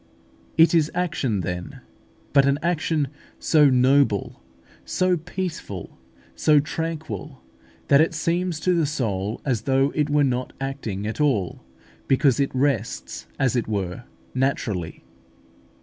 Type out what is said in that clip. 2. See chap. ix. It is action then, but an action so noble, so peaceful, so tranquil, that it seems to the soul as though it were not acting at all; because it rests, as it were, naturally.